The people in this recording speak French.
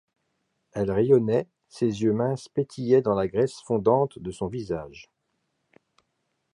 Elle rayonnait, ses yeux minces pétillaient dans la graisse fondante de son visage.